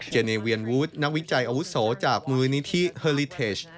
เนเวียนวูธนักวิจัยอาวุโสจากมูลนิธิเฮอลิเทช